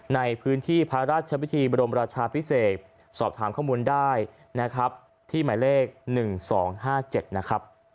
ในพื้นที่พระราชวิธีบรมราชาพิเศษสอบถามข้อมูลได้นะครับที่หมายเลข๑๒๕๗นะครับ